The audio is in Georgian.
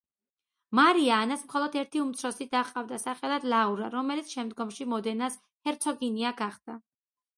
მარია ანას მხოლოდ ერთი უმცროსი და ჰყავდა, სახელად ლაურა, რომელიც შემდგომში მოდენას ჰერცოგინია გახდა.